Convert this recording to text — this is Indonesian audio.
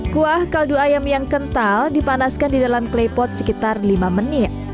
kuah kaldu ayam yang kental dipanaskan di dalam klepot sekitar lima menit